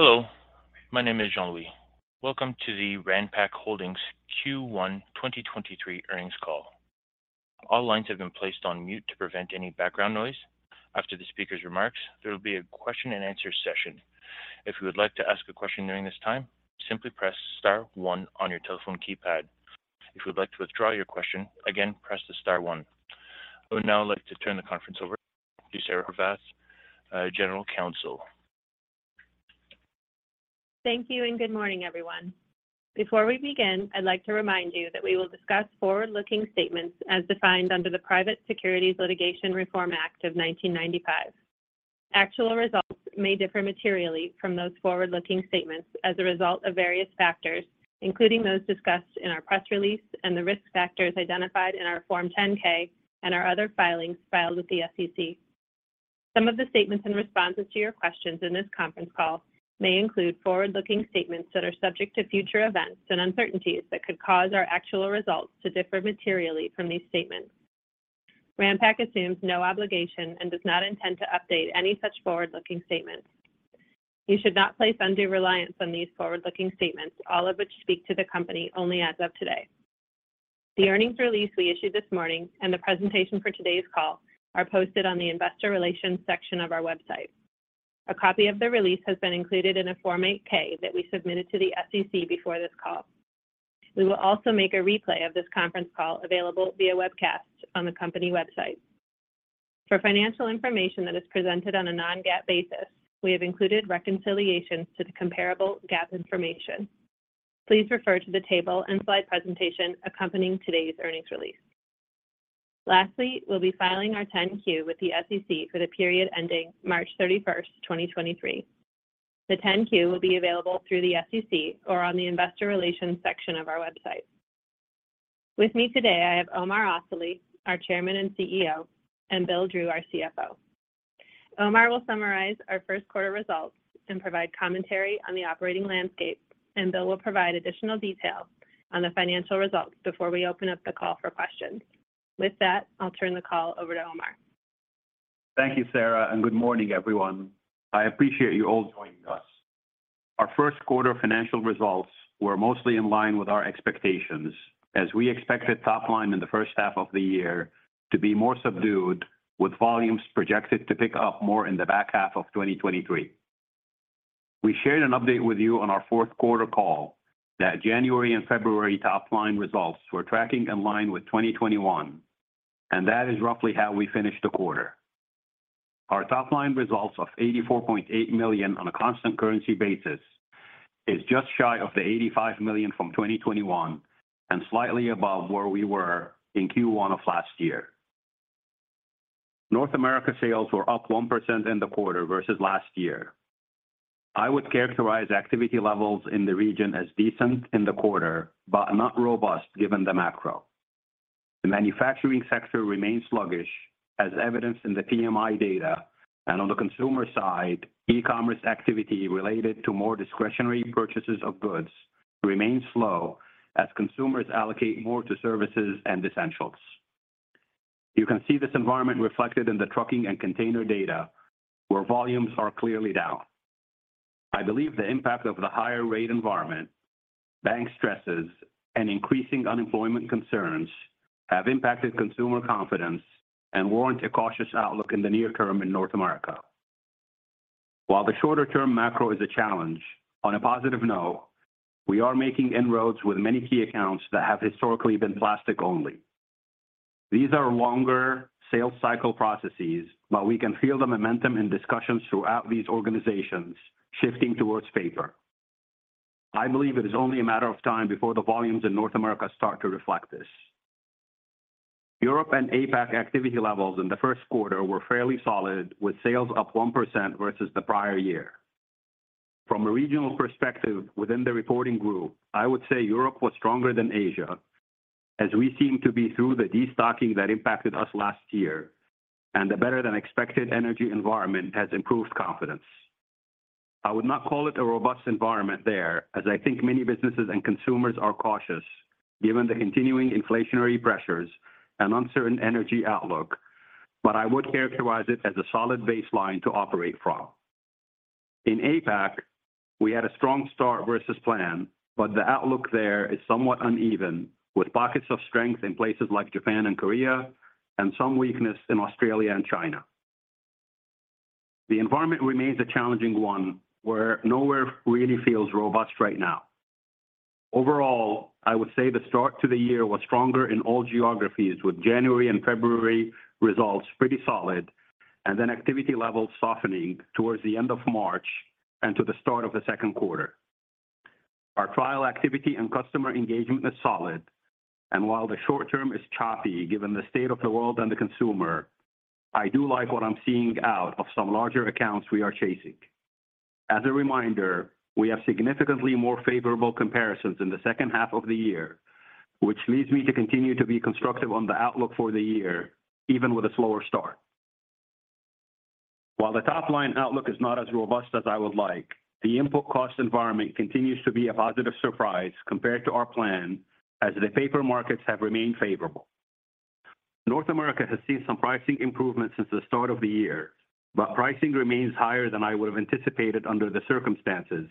Hello, my name is Jean-Louis. Welcome to the Ranpak Holdings Q1 2023 Earnings Call. All lines have been placed on mute to prevent any background noise. After the speaker's remarks, there will be a question and answer session. If you would like to ask a question during this time, simply press star one on your telephone keypad. If you would like to withdraw your question, again, press the star one. I would now like to turn the conference over to Sara Horvath, General Counsel. Thank you and good morning, everyone. Before we begin, I'd like to remind you that we will discuss forward-looking statements as defined under the Private Securities Litigation Reform Act of 1995. Actual results may differ materially from those forward-looking statements as a result of various factors, including those discussed in our press release and the risk factors identified in our Form 10-K and our other filings filed with the SEC. Some of the statements and responses to your questions in this conference call may include forward-looking statements that are subject to future events and uncertainties that could cause our actual results to differ materially from these statements. Ranpak assumes no obligation and does not intend to update any such forward-looking statements. You should not place undue reliance on these forward-looking statements, all of which speak to the company only as of today. The earnings release we issued this morning and the presentation for today's call are posted on the investor relations section of our website. A copy of the release has been included in a Form 8-K that we submitted to the SEC before this call. We will also make a replay of this conference call available via webcast on the company website. For financial information that is presented on a non-GAAP basis, we have included reconciliations to the comparable GAAP information. Please refer to the table and slide presentation accompanying today's earnings release. Lastly, we'll be filing our 10-Q with the SEC for the period ending March 31, 2023. The 10-Q will be available through the SEC or on the investor relations section of our website. With me today, I have Omar Asali, our Chairman and CEO, and Bill Drew, our CFO. Omar will summarize our first quarter results and provide commentary on the operating landscape. Bill will provide additional detail on the financial results before we open up the call for questions. With that, I'll turn the call over to Omar. Thank you, Sara, good morning, everyone. I appreciate you all joining us. Our first quarter financial results were mostly in line with our expectations as we expected top line in the first half of the year to be more subdued, with volumes projected to pick up more in the back half of 2023. We shared an update with you on our fourth quarter call that January and February top line results were tracking in line with 2021, and that is roughly how we finished the quarter. Our top line results of $84.8 million on a constant currency basis is just shy of the $85 million from 2021 and slightly above where we were in Q1 of last year. North America sales were up 1% in the quarter versus last year. I would characterize activity levels in the region as decent in the quarter, but not robust given the macro. The manufacturing sector remains sluggish, as evidenced in the PMI data. On the consumer side, e-commerce activity related to more discretionary purchases of goods remains slow as consumers allocate more to services and essentials. You can see this environment reflected in the trucking and container data, where volumes are clearly down. I believe the impact of the higher rate environment, bank stresses, and increasing unemployment concerns have impacted consumer confidence and warrant a cautious outlook in the near term in North America. While the shorter term macro is a challenge, on a positive note, we are making inroads with many key accounts that have historically been plastic only. These are longer sales cycle processes, but we can feel the momentum in discussions throughout these organizations shifting towards paper. I believe it is only a matter of time before the volumes in North America start to reflect this. Europe and APAC activity levels in the first quarter were fairly solid, with sales up 1% versus the prior year. From a regional perspective within the reporting group, I would say Europe was stronger than Asia, as we seem to be through the destocking that impacted us last year, and the better than expected energy environment has improved confidence. I would not call it a robust environment there as I think many businesses and consumers are cautious given the continuing inflationary pressures and uncertain energy outlook, but I would characterize it as a solid baseline to operate from. In APAC, we had a strong start versus plan, but the outlook there is somewhat uneven, with pockets of strength in places like Japan and Korea, and some weakness in Australia and China. The environment remains a challenging one, where nowhere really feels robust right now. Overall, I would say the start to the year was stronger in all geographies, with January and February results pretty solid, then activity levels softening towards the end of March and to the start of the second quarter. Our trial activity and customer engagement is solid. While the short term is choppy, given the state of the world and the consumer, I do like what I'm seeing out of some larger accounts we are chasing. As a reminder, we have significantly more favorable comparisons in the second half of the year, which leads me to continue to be constructive on the outlook for the year, even with a slower start. While the top-line outlook is not as robust as I would like, the input cost environment continues to be a positive surprise compared to our plan as the paper markets have remained favorable. North America has seen some pricing improvements since the start of the year, but pricing remains higher than I would have anticipated under the circumstances,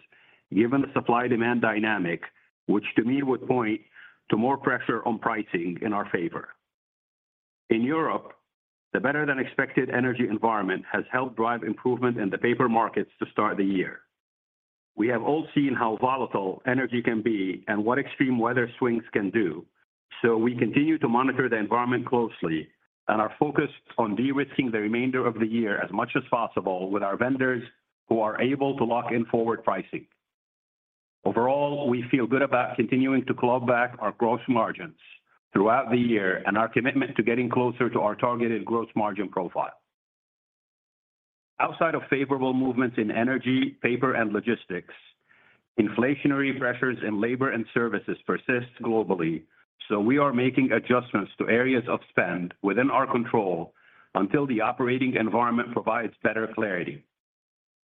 given the supply-demand dynamic, which to me would point to more pressure on pricing in our favor. In Europe, the better-than-expected energy environment has helped drive improvement in the paper markets to start the year. We have all seen how volatile energy can be and what extreme weather swings can do. We continue to monitor the environment closely and are focused on de-risking the remainder of the year as much as possible with our vendors who are able to lock in forward pricing. Overall, we feel good about continuing to claw back our gross margins throughout the year and our commitment to getting closer to our targeted gross margin profile. Outside of favorable movements in energy, paper, and logistics, inflationary pressures in labor and services persist globally. We are making adjustments to areas of spend within our control until the operating environment provides better clarity.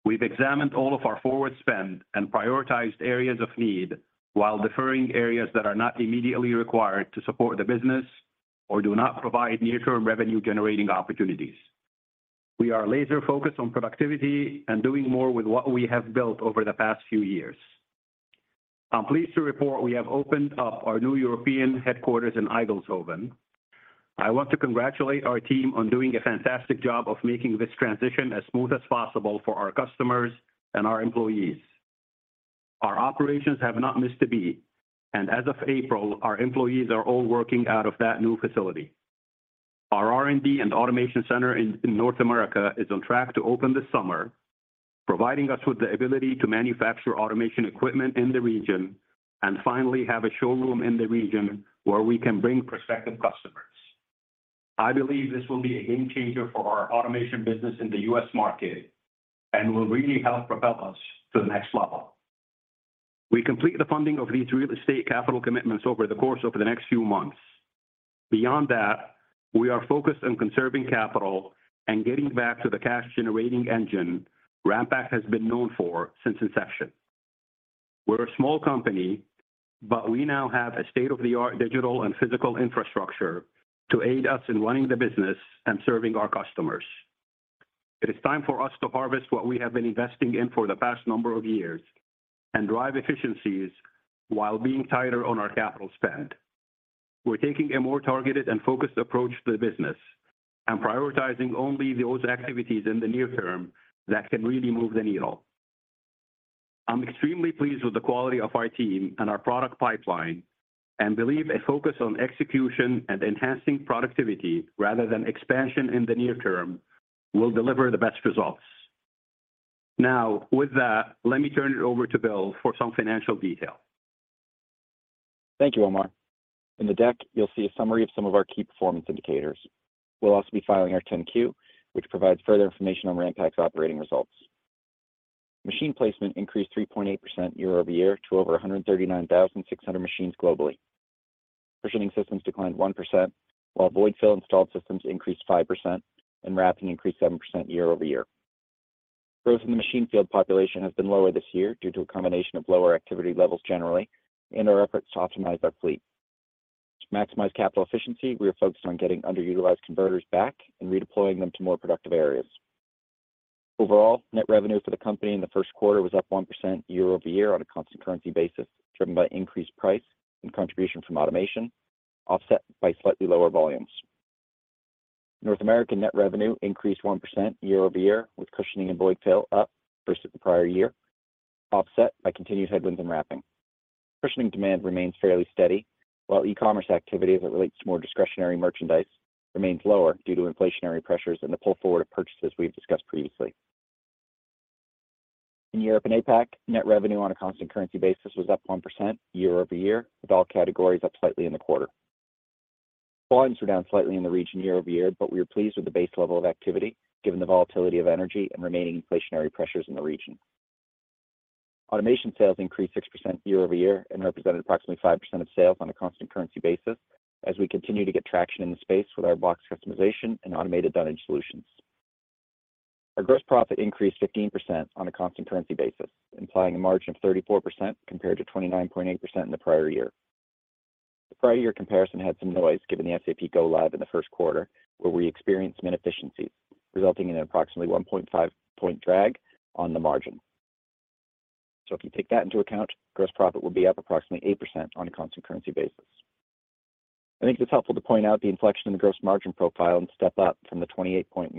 We've examined all of our forward spend and prioritized areas of need while deferring areas that are not immediately required to support the business or do not provide near-term revenue-generating opportunities. We are laser-focused on productivity and doing more with what we have built over the past few years. I'm pleased to report we have opened up our new European headquarters in Eygelshoven. I want to congratulate our team on doing a fantastic job of making this transition as smooth as possible for our customers and our employees. Our operations have not missed a beat. As of April, our employees are all working out of that new facility. Our R&D and automation center in North America is on track to open this summer, providing us with the ability to manufacture automation equipment in the region and finally have a showroom in the region where we can bring prospective customers. I believe this will be a game-changer for our automation business in the U.S. market and will really help propel us to the next level. We complete the funding of these real estate capital commitments over the course the next few months. Beyond that, we are focused on conserving capital and getting back to the cash-generating engine Ranpak has been known for since inception. We're a small company, but we now have a state-of-the-art digital and physical infrastructure to aid us in running the business and serving our customers. It is time for us to harvest what we have been investing in for the past number of years and drive efficiencies while being tighter on our capital spend. We're taking a more targeted and focused approach to the business and prioritizing only those activities in the near term that can really move the needle. I'm extremely pleased with the quality of our team and our product pipeline and believe a focus on execution and enhancing productivity rather than expansion in the near term will deliver the best results. With that, let me turn it over to Bill for some financial detail. Thank you, Omar. In the deck, you'll see a summary of some of our key performance indicators. We'll also be filing our 10-Q, which provides further information on Ranpak's operating results. Machine placement increased 3.8% year-over-year to over 139,600 machines globally. Cushioning systems declined 1%, while Void Fill installed systems increased 5%, and Wrapping increased 7% year-over-year. Growth in the machine field population has been lower this year due to a combination of lower activity levels generally and our efforts to optimize our fleet. To maximize capital efficiency, we are focused on getting underutilized converters back and redeploying them to more productive areas. Overall, net revenue for the company in the first quarter was up 1% year-over-year on a constant currency basis, driven by increased price and contribution from automation, offset by slightly lower volumes. North American net revenue increased 1% year-over-year, with Cushioning and Void Fill up versus the prior year, offset by continued headwinds in Wrapping. Cushioning demand remains fairly steady, while e-commerce activity as it relates to more discretionary merchandise remains lower due to inflationary pressures and the pull forward of purchases we've discussed previously. In Europe and APAC, net revenue on a constant currency basis was up 1% year-over-year, with all categories up slightly in the quarter. Volumes were down slightly in the region year-over-year. We are pleased with the base level of activity, given the volatility of energy and remaining inflationary pressures in the region. Automation sales increased 6% year-over-year and represented approximately 5% of sales on a constant currency basis as we continue to get traction in the space with our box customization and automated dunnage solutions. Our gross profit increased 15% on a constant currency basis, implying a margin of 34% compared to 29.8% in the prior year. The prior year comparison had some noise, given the SAP go-live in the 1st quarter, where we experienced many efficiencies, resulting in an approximately 1.5 point drag on the margin. If you take that into account, gross profit will be up approximately 8% on a constant currency basis. I think it's helpful to point out the inflection in the gross margin profile and step up from the 28.1%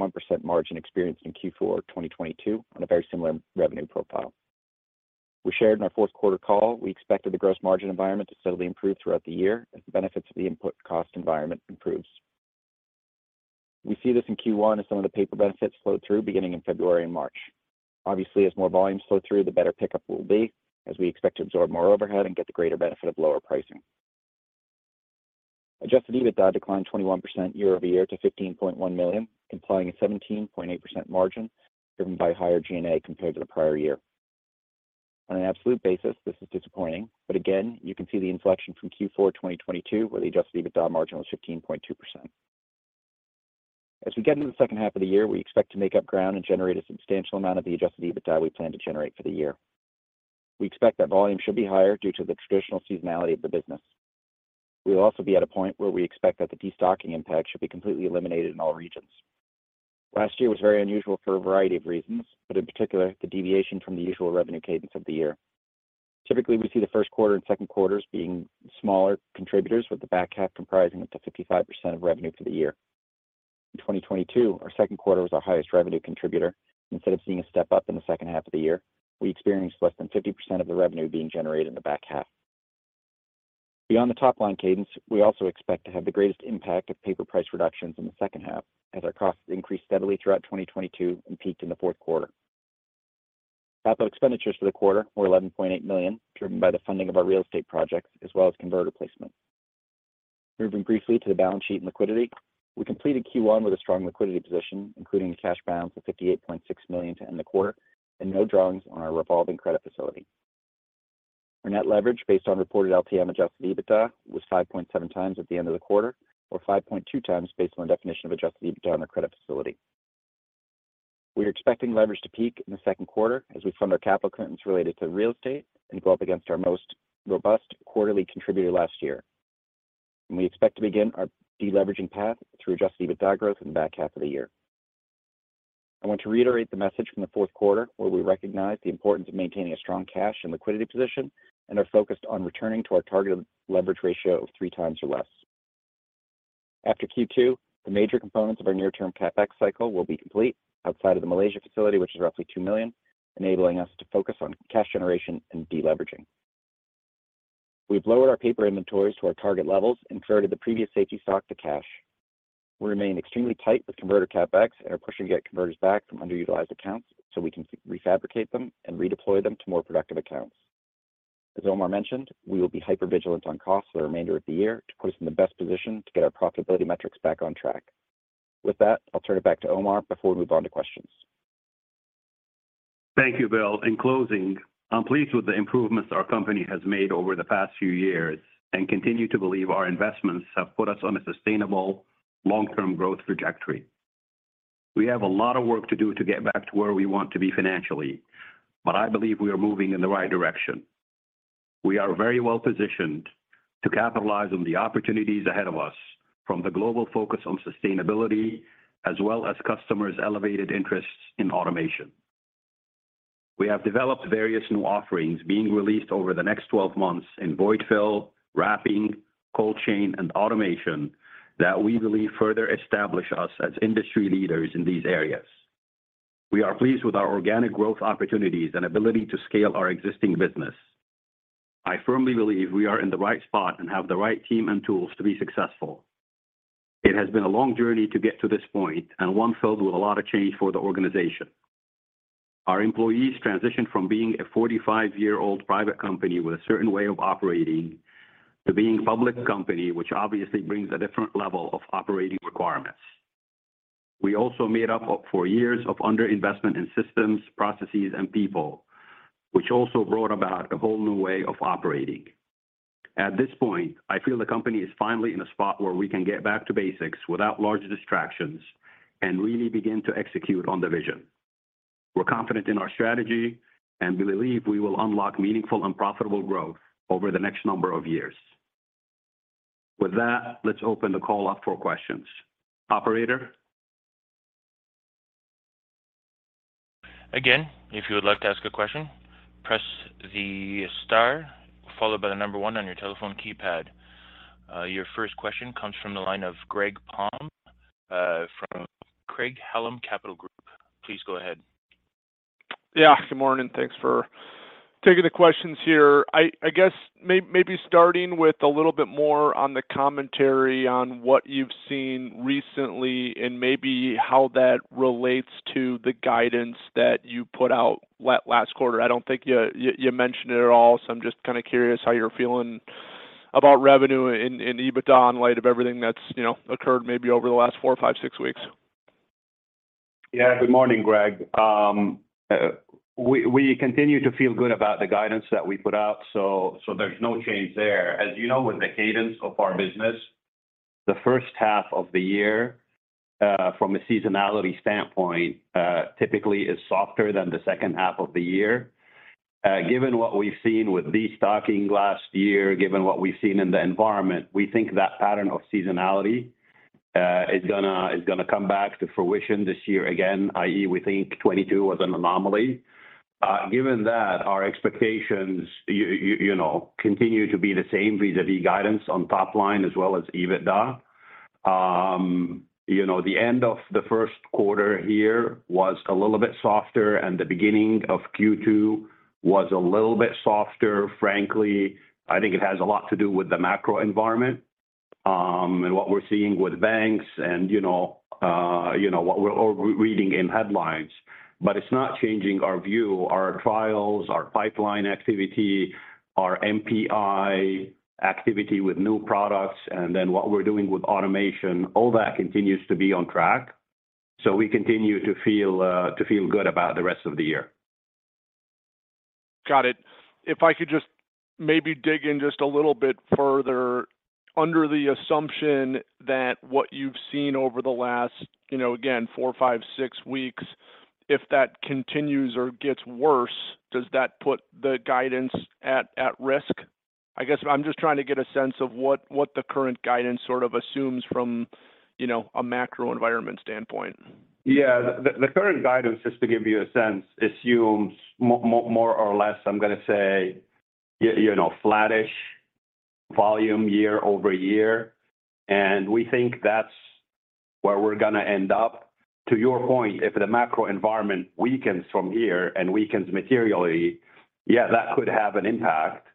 margin experienced in Q4 2022 on a very similar revenue profile. We shared in our fourth quarter call, we expected the gross margin environment to steadily improve throughout the year as the benefits of the input cost environment improves. We see this in Q1 as some of the paper benefits flowed through beginning in February and March. As more volumes flow through, the better pickup will be as we expect to absorb more overhead and get the greater benefit of lower pricing. Adjusted EBITDA declined 21% year-over-year to $15.1 million, implying a 17.8% margin driven by higher G&A compared to the prior year. On an absolute basis, this is disappointing. Again, you can see the inflection from Q4 2022, where the Adjusted EBITDA margin was 15.2%. As we get into the second half of the year, we expect to make up ground and generate a substantial amount of the Adjusted EBITDA we plan to generate for the year. We expect that volume should be higher due to the traditional seasonality of the business. We will also be at a point where we expect that the destocking impact should be completely eliminated in all regions. Last year was very unusual for a variety of reasons. In particular, the deviation from the usual revenue cadence of the year. Typically, we see the first quarter and second quarters being smaller contributors, with the back half comprising up to 55% of revenue for the year. In 2022, our second quarter was our highest revenue contributor. Instead of seeing a step up in the second half of the year, we experienced less than 50% of the revenue being generated in the back half. Beyond the top-line cadence, we also expect to have the greatest impact of paper price reductions in the second half as our costs increased steadily throughout 2022 and peaked in the fourth quarter. Capital expenditures for the quarter were $11.8 million, driven by the funding of our real estate projects as well as converter placements. Moving briefly to the balance sheet and liquidity. We completed Q1 with a strong liquidity position, including the cash balance of $58.6 million to end the quarter and no drawings on our revolving credit facility. Our net leverage based on reported LTM Adjusted EBITDA was 5.7x at the end of the quarter, or 5.2x based on definition of Adjusted EBITDA on the credit facility. We are expecting leverage to peak in the second quarter as we fund our capital expenditures related to real estate and go up against our most robust quarterly contributor last year. We expect to begin our de-leveraging path through Adjusted EBITDA growth in the back half of the year. I want to reiterate the message from the fourth quarter, where we recognize the importance of maintaining a strong cash and liquidity position and are focused on returning to our target leverage ratio of 3x or less. After Q2, the major components of our near term CapEx cycle will be complete outside of the Malaysia facility, which is roughly $2 million, enabling us to focus on cash generation and de-leveraging. We've lowered our paper inventories to our target levels and converted the previous safety stock to cash. We remain extremely tight with converter CapEx and are pushing to get converters back from underutilized accounts so we can refabricate them and redeploy them to more productive accounts. As Omar mentioned, we will be hypervigilant on costs for the remainder of the year to put us in the best position to get our profitability metrics back on track. I'll turn it back to Omar before we move on to questions. Thank you, Bill. In closing, I'm pleased with the improvements our company has made over the past few years and continue to believe our investments have put us on a sustainable long-term growth trajectory. We have a lot of work to do to get back to where we want to be financially. I believe we are moving in the right direction. We are very well positioned to capitalize on the opportunities ahead of us from the global focus on sustainability as well as customers elevated interests in automation. We have developed various new offerings being released over the next 12 months in Void Fill, Wrapping, Cold Chain, and automation that we believe further establish us as industry leaders in these areas. We are pleased with our organic growth opportunities and ability to scale our existing business. I firmly believe we are in the right spot and have the right team and tools to be successful. It has been a long journey to get to this point and one filled with a lot of change for the organization. Our employees transitioned from being a 45-year-old private company with a certain way of operating to being public company, which obviously brings a different level of operating requirements. We also made up for years of underinvestment in systems, processes, and people, which also brought about a whole new way of operating. At this point, I feel the company is finally in a spot where we can get back to basics without large distractions and really begin to execute on the vision. We're confident in our strategy and we believe we will unlock meaningful and profitable growth over the next number of years. With that, let's open the call up for questions. Operator? Again, if you would like to ask a question, press the star followed by the number one on your telephone keypad. Your first question comes from the line of Greg Palm from Craig-Hallum Capital Group. Please go ahead. Good morning. Thanks for taking the questions here. I guess maybe starting with a little bit more on the commentary on what you've seen recently and maybe how that relates to the guidance that you put out last quarter. I don't think you mentioned it at all, so I'm just kind of curious how you're feeling about revenue and EBITDA in light of everything that's, you know, occurred maybe over the last four or five, six weeks. Yeah. Good morning, Greg. We continue to feel good about the guidance that we put out, so there's no change there. As you know, with the cadence of our business, the first half of the year, from a seasonality standpoint, typically is softer than the second half of the year. Given what we've seen with destocking last year, given what we've seen in the environment, we think that pattern of seasonality is gonna come back to fruition this year again, i.e. we think 2022 was an anomaly. Given that, our expectations, you know, continue to be the same vis-à-vis guidance on top line as well as EBITDA. You know, the end of the first quarter here was a little bit softer, and the beginning of Q2 was a little bit softer. Frankly, I think it has a lot to do with the macro environment, and what we're seeing with banks and, you know, you know, what we're reading in headlines. It's not changing our view. Our trials, our pipeline activity, our NPI activity with new products, and then what we're doing with automation, all that continues to be on track. We continue to feel good about the rest of the year. Got it. If I could just maybe dig in just a little bit further. Under the assumption that what you've seen over the last, you know, again, four, five, six weeks, if that continues or gets worse, does that put the guidance at risk? I guess I'm just trying to get a sense of what the current guidance sort of assumes from, you know, a macro environment standpoint. Yeah. The current guidance, just to give you a sense, assumes more or less, I'm gonna say, you know, flattish volume year over year. We think that's where we're gonna end up. To your point, if the macro environment weakens from here and weakens materially, yeah, that could have an impact.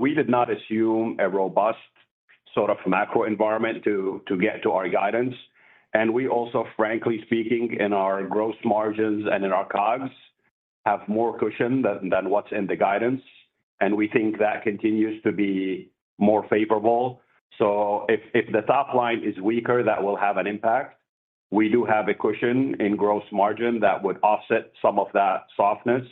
We did not assume a robust sort of macro environment to get to our guidance. We also, frankly speaking, in our gross margins and in our COGS, have more cushion than what's in the guidance, and we think that continues to be more favorable. If the top line is weaker, that will have an impact. We do have a cushion in gross margin that would offset some of that softness.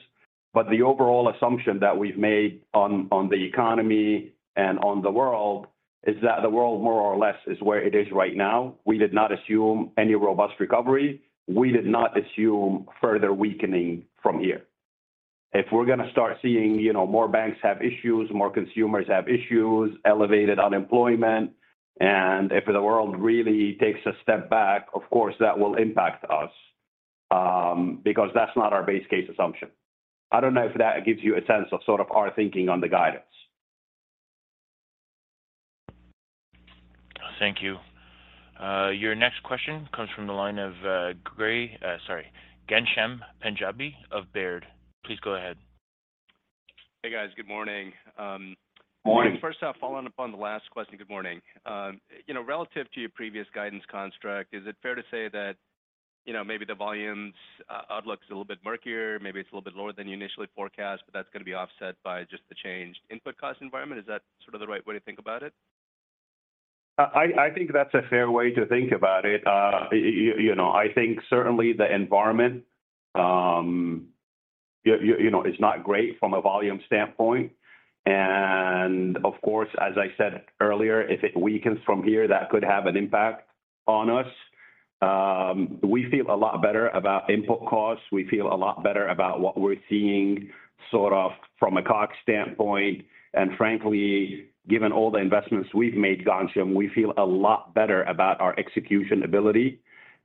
The overall assumption that we've made on the economy and on the world is that the world, more or less, is where it is right now. We did not assume any robust recovery. We did not assume further weakening from here. If we're gonna start seeing, you know, more banks have issues, more consumers have issues, elevated unemployment, and if the world really takes a step back, of course that will impact us, because that's not our base case assumption. I don't know if that gives you a sense of sort of our thinking on the guidance. Thank you. Your next question comes from the line of Ghansham Panjabi of Baird. Please go ahead. Hey, guys. Good morning. Morning. Following up on the last question. Good morning. You know, relative to your previous guidance construct, is it fair to say that, you know, maybe the volumes outlook's a little bit murkier, maybe it's a little bit lower than you initially forecast, but that's gonna be offset by just the changed input cost environment? Is that sort of the right way to think about it? I think that's a fair way to think about it. You know, I think certainly the environment, you know, is not great from a volume standpoint. Of course, as I said earlier, if it weakens from here, that could have an impact on us. We feel a lot better about input costs. We feel a lot better about what we're seeing sort of from a COGS standpoint. Frankly, given all the investments we've made, Ghansham, we feel a lot better about our execution ability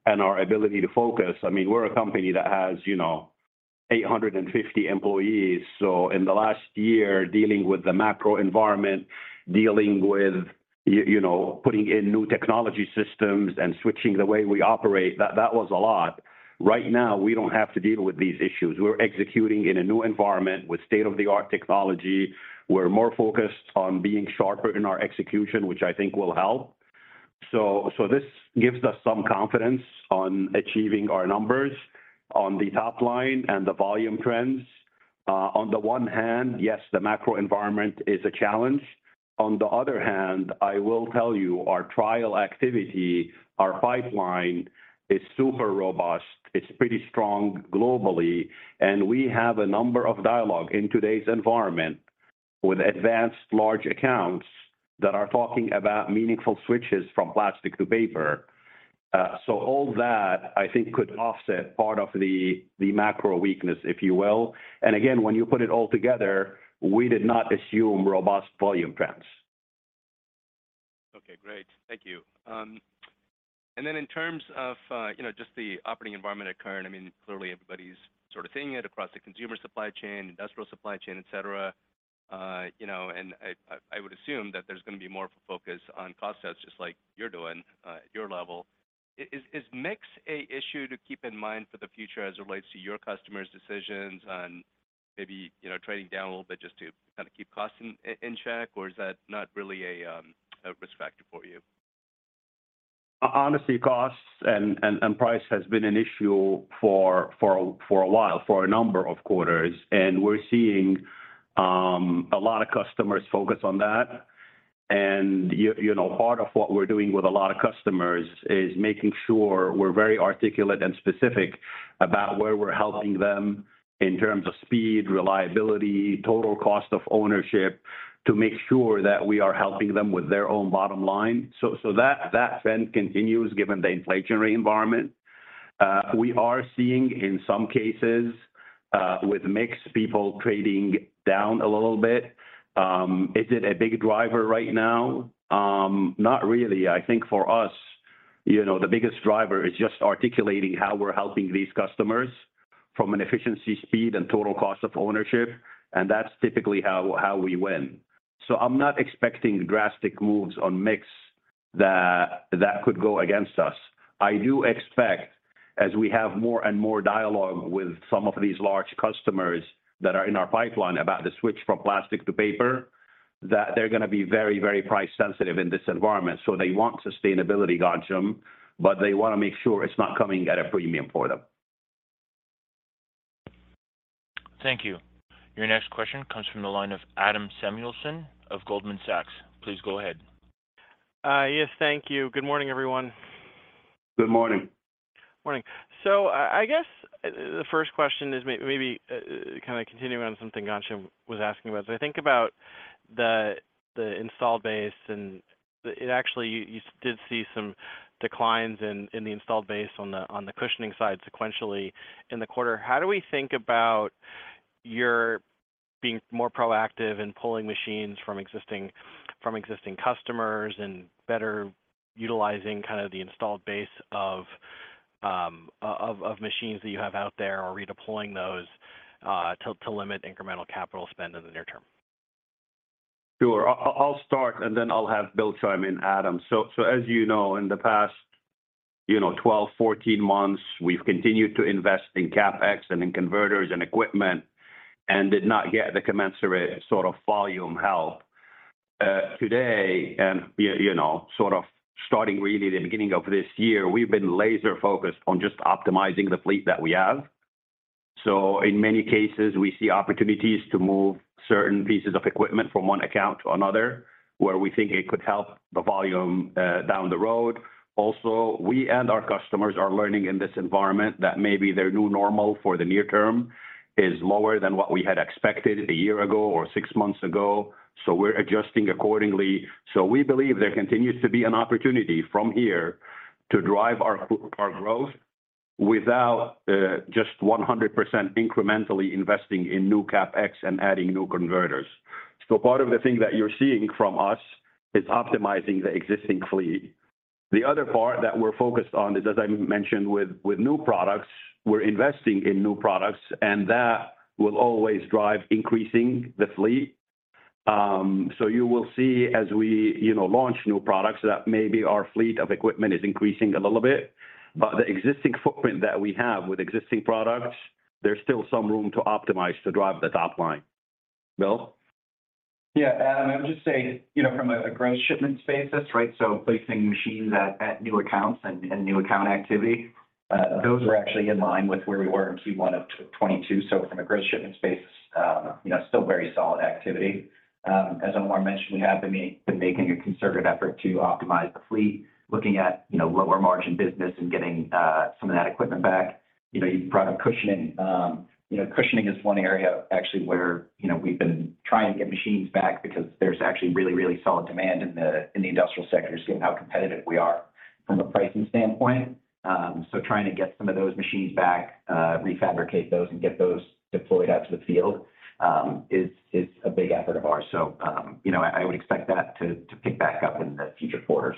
and our ability to focus. I mean, we're a company that has, you know, 850 employees. In the last year, dealing with the macro environment, dealing with you know, putting in new technology systems and switching the way we operate, that was a lot. Right now, we don't have to deal with these issues. We're executing in a new environment with state-of-the-art technology. We're more focused on being sharper in our execution, which I think will help. This gives us some confidence on achieving our numbers on the top line and the volume trends. On the one hand, yes, the macro environment is a challenge. On the other hand, I will tell you, our trial activity, our pipeline is super robust. It's pretty strong globally, and we have a number of dialogue in today's environment with advanced large accounts that are talking about meaningful switches from plastic to paper. All that, I think, could offset part of the macro weakness, if you will. Again, when you put it all together, we did not assume robust volume trends. Okay. Great. Thank you. In terms of, you know, just the operating environment at current, I mean, clearly everybody's sort of seeing it across the consumer supply chain, industrial supply chain, et cetera. You know, I would assume that there's gonna be more of a focus on cost sets just like you're doing, at your level. Is mix a issue to keep in mind for the future as it relates to your customers' decisions on maybe, you know, trading down a little bit just to kinda keep costs in check, or is that not really a risk factor for you? Honestly, costs and price has been an issue for a while, for a number of quarters. We're seeing a lot of customers focus on that. You know, part of what we're doing with a lot of customers is making sure we're very articulate and specific about where we're helping them in terms of speed, reliability, total cost of ownership, to make sure that we are helping them with their own bottom line. So that trend continues given the inflationary environment. We are seeing, in some cases, with mix, people trading down a little bit. Is it a big driver right now? Not really. I think for us, you know, the biggest driver is just articulating how we're helping these customers from an efficiency, speed, and total cost of ownership, and that's typically how we win. I'm not expecting drastic moves on mix that could go against us. I do expect, as we have more and more dialogue with some of these large customers that are in our pipeline about the switch from plastic to paper, that they're gonna be very, very price sensitive in this environment. They want sustainability, Ghansham, but they wanna make sure it's not coming at a premium for them. Thank you. Your next question comes from the line of Adam Samuelson of Goldman Sachs. Please go ahead. Yes, thank you. Good morning, everyone. Good morning. Morning. I guess the first question is maybe kind of continuing on something Ghansham was asking about. As I think about the install base, it actually, you did see some declines in the installed base on the Cushioning side sequentially in the quarter. How do we think about your being more proactive in pulling machines from existing customers and better utilizing kind of the installed base of machines that you have out there or redeploying those to limit incremental capital spend in the near term? Sure. I'll start, and then I'll have Bill chime in, Adam. As you know, in the past, you know, 12, 14 months, we've continued to invest in CapEx and in converters and equipment and did not get the commensurate sort of volume help. today and you know, sort of starting really the beginning of this year, we've been laser focused on just optimizing the fleet that we have. In many cases, we see opportunities to move certain pieces of equipment from one account to another where we think it could help the volume down the road. Also, we and our customers are learning in this environment that maybe their new normal for the near term is lower than what we had expected a year ago or six months ago. We're adjusting accordingly. We believe there continues to be an opportunity from here to drive our growth without just 100% incrementally investing in new CapEx and adding new converters. Part of the thing that you're seeing from us is optimizing the existing fleet. The other part that we're focused on is, as I mentioned with new products, we're investing in new products, and that will always drive increasing the fleet. You will see as we, you know, launch new products that maybe our fleet of equipment is increasing a little bit. The existing footprint that we have with existing products, there's still some room to optimize to drive the top line. Bill? Yeah. I would just say, you know, from a gross shipment space, that's right. Placing machines at new accounts and new account activity, those are actually in line with where we were in Q1 of 2022. From a gross shipment space, you know, still very solid activity. As Omar mentioned, we have been making a concerted effort to optimize the fleet, looking at, you know, lower margin business and getting some of that equipment back. You know, you brought up Cushioning. You know, Cushioning is one area actually where, you know, we've been trying to get machines back because there's actually really solid demand in the industrial sector, seeing how competitive we are from a pricing standpoint. (x) Trying to get some of those machines back, refabricate those and get those deployed out to the field, is a big effort of ours. You know, I would expect that to pick back up in the future quarters.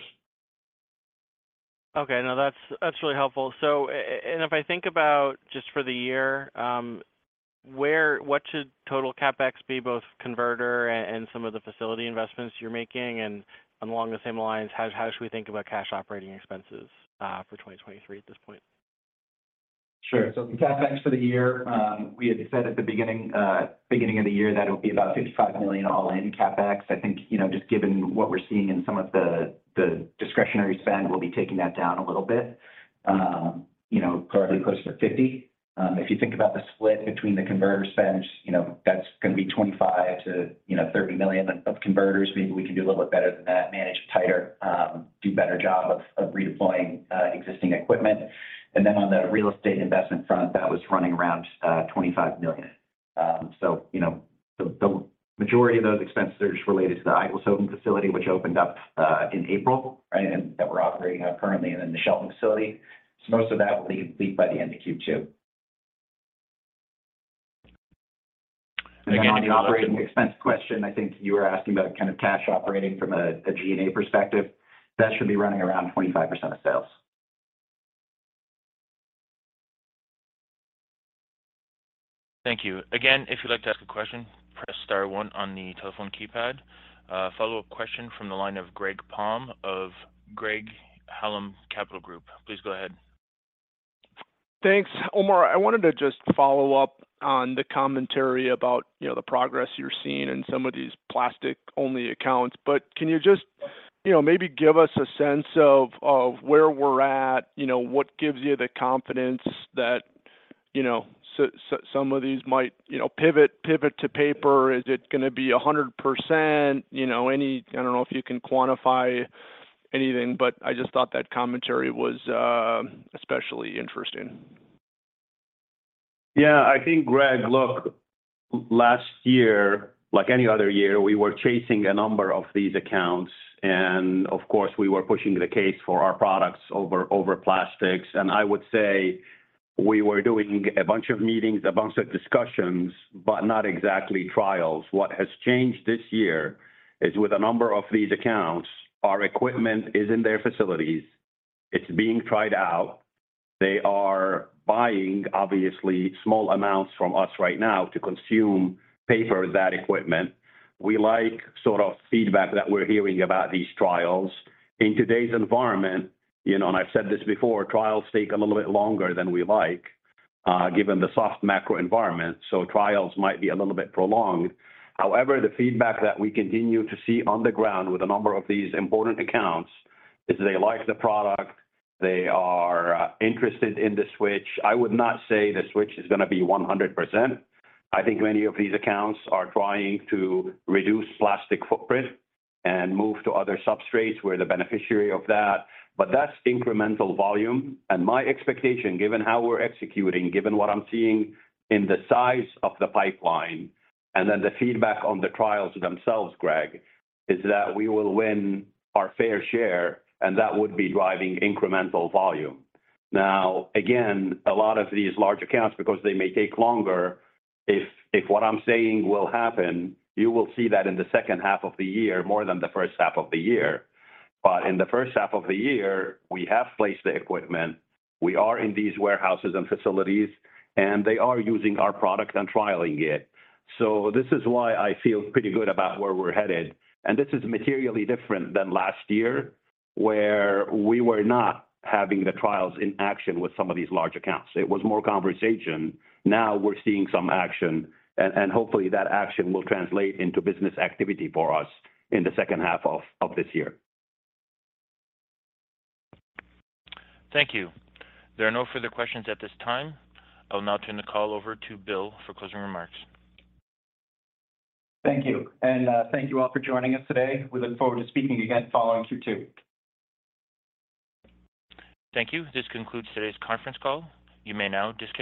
Okay. No, that's really helpful. If I think about just for the year, what should total CapEx be, both converter and some of the facility investments you're making? Along the same lines, how should we think about cash operating expenses for 2023 at this point? Sure. The CapEx for the year, we had said at the beginning of the year that it would be about $55 million all-in CapEx. I think, you know, just given what we're seeing in some of the discretionary spend, we'll be taking that down a little bit, you know, probably closer to $50 million. If you think about the split between the converter spends, you know, that's gonna be $25 million-$30 million of converters. Maybe we can do a little bit better than that, manage tighter, do better job of redeploying existing equipment. And then on the real estate investment front, that was running around $25 million. You know, the majority of those expenses are just related to the Eygelshoven facility, which opened up in April, right? That we're operating currently in the Shelton facility. Most of that will leave fleet by the end of Q2. On the operating expense question, I think you were asking about kind of cash operating from a G&A perspective. That should be running around 25% of sales. Thank you. Again, if you'd like to ask a question, press star one on the telephone keypad. Follow-up question from the line of Greg Palm of Craig-Hallum Capital Group. Please go ahead. Thanks. Omar, I wanted to just follow up on the commentary about, you know, the progress you're seeing in some of these plastic-only accounts. Can you just, you know, maybe give us a sense of where we're at? You know, what gives you the confidence that, you know, some of these might, you know, pivot to paper? Is it gonna be 100%? You know, I don't know if you can quantify anything, but I just thought that commentary was especially interesting. Yeah. I think, Greg, look, last year, like any other year, we were chasing a number of these accounts. Of course, we were pushing the case for our products over plastics. I would say we were doing a bunch of meetings, a bunch of discussions, but not exactly trials. What has changed this year is with a number of these accounts, our equipment is in their facilities. It's being tried out. They are buying obviously small amounts from us right now to consume paper, that equipment. We like sort of feedback that we're hearing about these trials. In today's environment, you know, and I've said this before, trials take a little bit longer than we like, given the soft macro environment. Trials might be a little bit prolonged. The feedback that we continue to see on the ground with a number of these important accounts is they like the product. They are interested in the switch. I would not say the switch is gonna be 100%. I think many of these accounts are trying to reduce plastic footprint and move to other substrates. We're the beneficiary of that. That's incremental volume. My expectation, given how we're executing, given what I'm seeing in the size of the pipeline, and then the feedback on the trials themselves, Greg, is that we will win our fair share, and that would be driving incremental volume. Again, a lot of these large accounts, because they may take longer, if what I'm saying will happen, you will see that in the second half of the year more than the first half of the year. In the first half of the year, we have placed the equipment. We are in these warehouses and facilities, and they are using our product and trialing it. This is why I feel pretty good about where we're headed, and this is materially different than last year, where we were not having the trials in action with some of these large accounts. It was more conversation. Now we're seeing some action, and hopefully that action will translate into business activity for us in the second half of this year. Thank you. There are no further questions at this time. I will now turn the call over to Bill for closing remarks. Thank you. Thank you all for joining us today. We look forward to speaking again following Q2. Thank you. This concludes today's conference call. You may now disconnect.